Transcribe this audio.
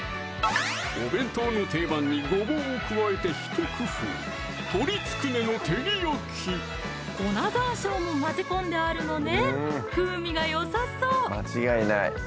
お弁当の定番にごぼうを加えてひと工夫粉ざんしょうも混ぜ込んであるのね風味がよさそう！